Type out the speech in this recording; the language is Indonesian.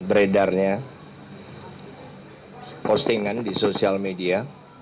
beredarnya postingan di sosial media